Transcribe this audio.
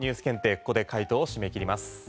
ここで回答を締め切ります。